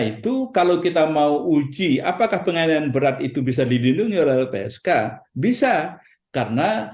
itu kalau kita mau uji apakah pengadilan berat itu bisa dilindungi oleh lpsk bisa karena